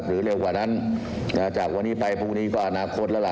เร็วกว่านั้นจากวันนี้ไปพรุ่งนี้ก็อนาคตแล้วล่ะ